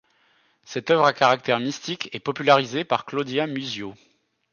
Cette œuvre à caractère mystique est popularisée par Claudia Muzio.